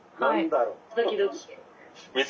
ドキドキ。